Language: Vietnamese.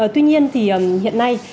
tuy nhiên thì hiện nay